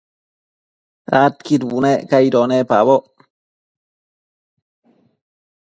Adquid bunec aido nepaboc